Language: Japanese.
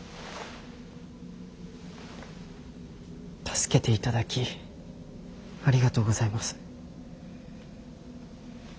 助けていただきありがとうございます。